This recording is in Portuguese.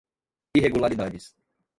irregularidades